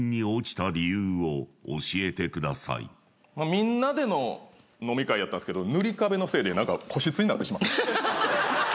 みんなでの飲み会やったんですけど塗壁のせいで個室になってしまった。